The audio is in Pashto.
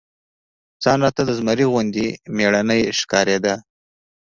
ځان راته د زمري غوندي مېړنى ښکارېده.